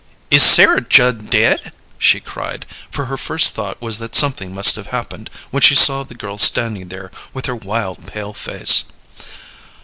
"Is Sarah Judd dead?" she cried; for her first thought was that something must have happened when she saw the girl standing there with her wild pale face.